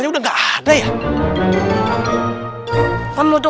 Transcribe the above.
terima kasih butet